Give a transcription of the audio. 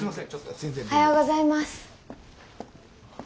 おはようございます。